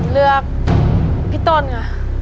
เลือกพี่ต้นเหรอ